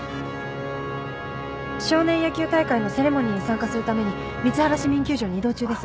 少年野球大会のセレモニーに参加するために光原市民球場に移動中です。